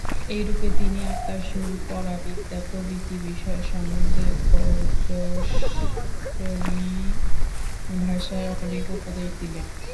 এইরূপে তিনি আত্মার স্বরূপ, পরাবিদ্যা প্রভৃতি বিষয়-সম্বন্ধে ওজস্বিনী ভাষায় অনেক উপদেশ দিলেন।